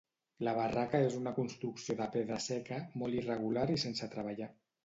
La barraca és una construcció de pedra seca, molt irregular i sense treballar.